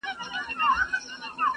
مګر پام کوه چي خوله دي نه کړې خلاصه -